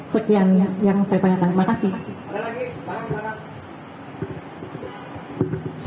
sekian yang saya tanyakan terima kasih